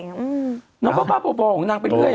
น้องป๊อบโบรของนางไปเรื่อยโอเค